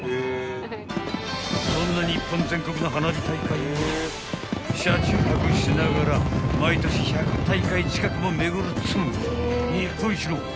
［そんな日本全国の花火大会を車中泊しながら毎年１００大会近くも巡るっつう］